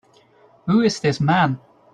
Who is this man?